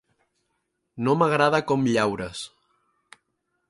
No m'agrada com llaures.